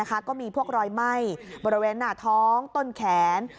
ก็มีพวกรอยไหม้บริเวณหน้าท้องต้นแขน